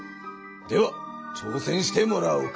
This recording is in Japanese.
ではちょうせんしてもらおうか。